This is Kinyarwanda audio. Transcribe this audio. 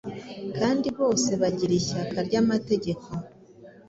kandi bose bagira ishyaka ry’amategeko.